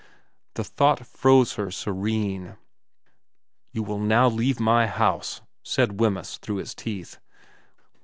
The thought froze her serene. ' You will now leave my house,' said Wemyss through his teeth.